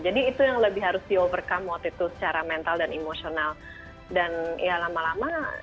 jadi itu yang lebih harus di overcome waktu itu secara mental dan emosional dan ya lama lama